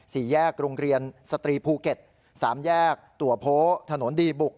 สี่แยกโรงเรียนสตรีภูเก็ตสามแยกตัวโพถนนดีบุก